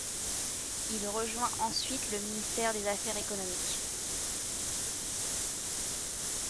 Il rejoint ensuite le ministère des Affaires économiques.